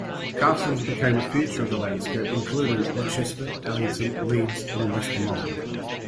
Castles became a feature of the landscape, including Rochester, Allington, Leeds, and West Malling.